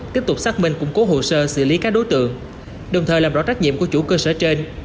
tiếp tục xác minh củng cố hồ sơ xử lý các đối tượng đồng thời làm rõ trách nhiệm của chủ cơ sở trên